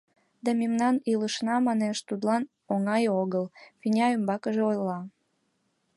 — «Да мемнан илышна, манеш, тудлан оҥай огыл, — Феня умбакыже ойла.